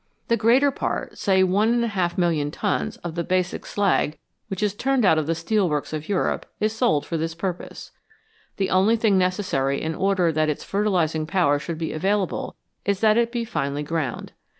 The greater part, say 1,500,000 tons, of the basic slag which is turned out of the steelworks of Europe is sold for this purpose. The only thing necessary in order that its fertilising power should be available is that it be finely ground.